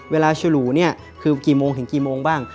ฉลูเนี่ยคือกี่โมงถึงกี่โมงบ้าง